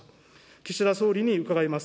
岸田総理に伺います。